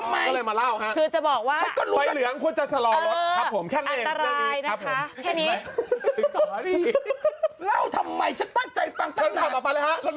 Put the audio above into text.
มึงเล่าทำไมฉันตั้งใจตั้งฉันขับออกไปเลยฮะรถเมฆฮะ